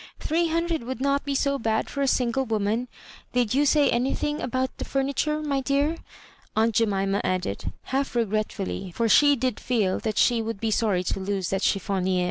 Three hundred would not be so bad for a single woman. Did you say anything about the furniture, my dear?" aunt Jemima added, half regretfully, for she did feel that she would be sorry to lose that chiflfonier."